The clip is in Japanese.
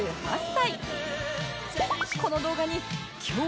この動画に